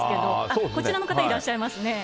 あっ、こちらの方、いらっしゃいますね。